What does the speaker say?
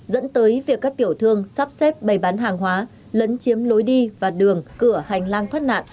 dẫn tới việc các tiểu thương sắp xếp bày bán hàng hóa lấn chiếm lối đi và đường cửa hành lang thoát nạn